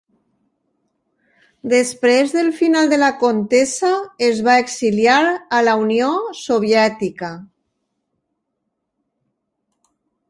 Després del final de la contesa es va exiliar a la Unió Soviètica.